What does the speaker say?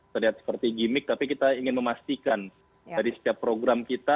terlihat seperti gimmick tapi kita ingin memastikan dari setiap program kita